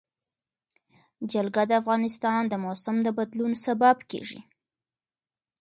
جلګه د افغانستان د موسم د بدلون سبب کېږي.